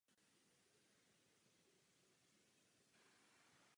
V Německu pracoval u generála Františka Moravce.